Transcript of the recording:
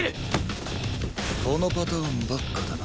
このパターンばっかだな。